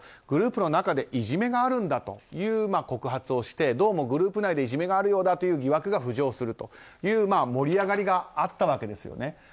グループの中でいじめがあるという告発をしてどうもグループ内でいじめがあるようだという疑惑が浮上するという盛り上がりがあったわけですね。